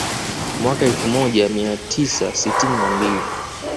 Mwaka wa elfu moja mia tisa tisini na mbili